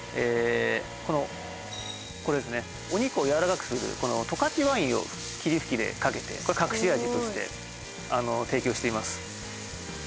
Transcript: このこれですねお肉をやわらかくする十勝ワインを霧吹きでかけて隠し味として提供しています